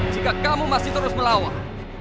jika kamu masih terus melawan